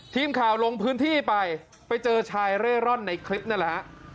ทีมข่าวลงพื้นที่ไปไปเจอชายเร่ร่อนในคลิปนั่นแหละฮะ